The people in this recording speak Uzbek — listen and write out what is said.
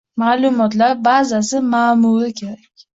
Ma'lumotlar bazasi ma'muri kerak